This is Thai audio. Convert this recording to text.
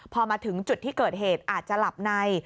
พอมาถึงจุดที่เกิดเหตุอาจจะหลับใน